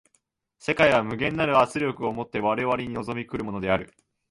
世界は無限なる圧力を以て我々に臨み来るものである。